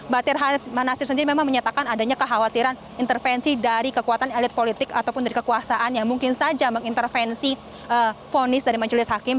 batir nasir sendiri memang menyatakan adanya kekhawatiran intervensi dari kekuatan elit politik ataupun dari kekuasaan yang mungkin saja mengintervensi ponis dari majelis hakim